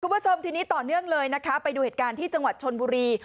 คุณผู้ชมทีนี้ต่อเนื่องเลยนะคะไปดูเหตุการณ์ที่จังหวัดชนบุรี